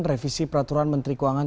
revisi peraturan menteri keuangan